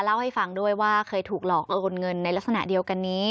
เล่าให้ฟังด้วยว่าเคยถูกหลอกโอนเงินในลักษณะเดียวกันนี้